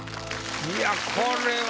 いやこれは。